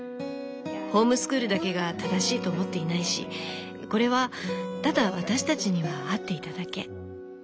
ホームスクールだけが正しいと思っていないしこれはただ私たちには合っていただけ。